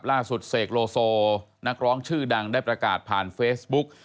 เสกโลโซนักร้องชื่อดังได้ประกาศผ่านเฟซบุ๊ก